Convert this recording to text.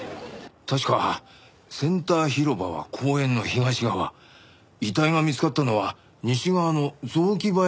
確かセンター広場は公園の東側遺体が見つかったのは西側の雑木林エリアだったんだよな。